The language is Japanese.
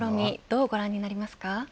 どうご覧になりますか。